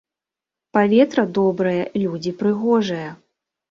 Паветра добрае, людзі прыгожыя.